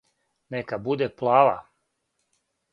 Нека буде плава!